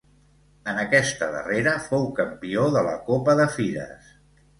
En aquesta darrera fou campió de la Copa de Fires.